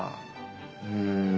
うん。